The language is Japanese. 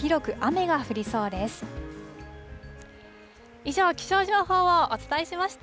以上、気象情報をお伝えしました。